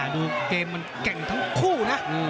ดูเกมทั้งคู่นะ